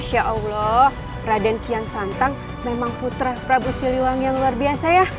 masya allah raden kian santang memang putra prabu siliwan yang luar biasa ya